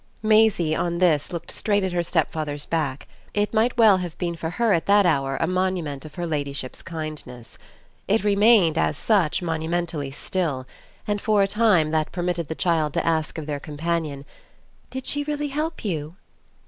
Maisie, on this, looked straight at her stepfather's back; it might well have been for her at that hour a monument of her ladyship's kindness. It remained, as such, monumentally still, and for a time that permitted the child to ask of their companion: "Did she really help you?"